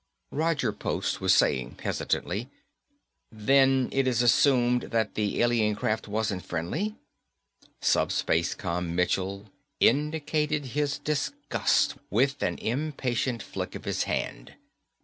Roger Post was saying hesitantly, "Then it is assumed that the alien craft wasn't friendly?" SupSpaceCom Michell indicated his disgust with an impatient flick of his hand.